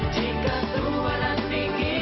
jika tua dan tinggi